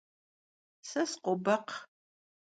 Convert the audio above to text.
Se sıkhobekxh.